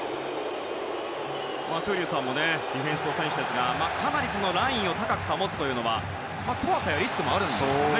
闘莉王さんもディフェンスの選手ですがかなりラインを高く保つのは怖さ、リスクはあるんですね。